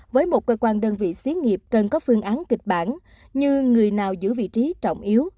với một cơ quan đơn vị xí nghiệp cần có phương án kịch bản như người nào giữ vị trí trọng yếu